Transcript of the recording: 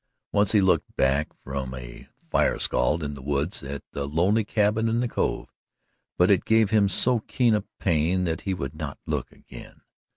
Once he looked back from a "fire scald" in the woods at the lonely cabin in the cove, but it gave him so keen a pain that he would not look again.